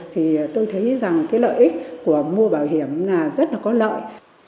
thì tôi thấy rằng cái lợi ích của mua bảo hiểm là rất là có lợi